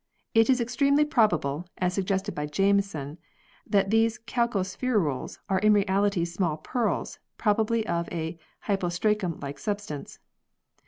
It is extremely probable, as suggested by Jameson, that these calco spherules are in reality small pearls probably of a hypostracum like substance.